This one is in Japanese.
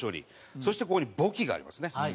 そしてここに簿記がありますね。